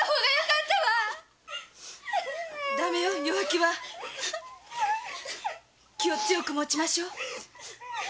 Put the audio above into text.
気を強く持ちましょう。